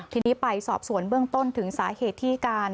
ทีนี้ไปสอบสวนเบื้องต้นถึงสาเหตุที่การ